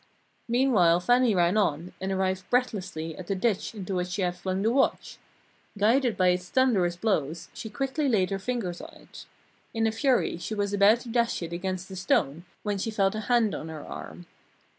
Meanwhile Fannie ran on, and arrived breathlessly at the ditch into which she had flung the watch. Guided by its thunderous blows, she quickly laid her fingers on it. In a fury she was about to dash it against a stone when she felt a hand on her arm.